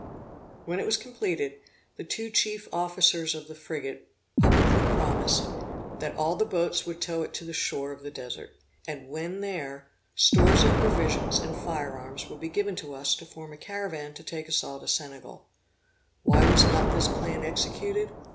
When it was completed, the two chief officers of the frigate publicly promised, that all the boats would tow it to the shore of the Desert; and, when there, stores of provisions and fire arms would be given us to form a caravan to take us all to Senegal. Why was not this plan executed?